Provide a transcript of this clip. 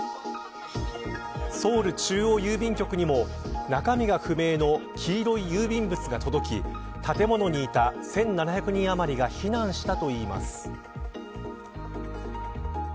ソウル中央郵便局にも中身が不明の黄色い郵便物が届き建物にいた１７００人あまりが避難したといいます。